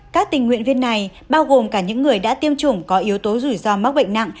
các tình nguyện viên này bao gồm cả những người đã tiêm chủng có yếu tố rủi ro mắc bệnh nặng